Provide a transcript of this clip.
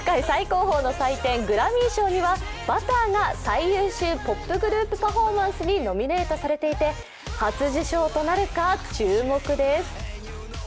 最高峰の祭典グラミー賞には「Ｂｕｔｔｅｒ」が最優秀ポップ・パフォーマンスにノミネートされていて初受賞となるか注目です。